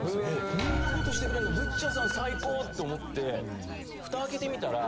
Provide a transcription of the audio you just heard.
こんなことしてくれんのぶっちゃあさん最高！と思って蓋開けてみたら。